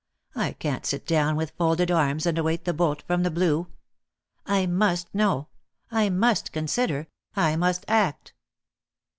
I can't sit down with folded arms and await the bolt from the blue. I must know, I must consider, I must act."